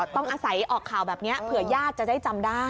ต้องอาศัยออกข่าวแบบนี้เผื่อญาติจะได้จำได้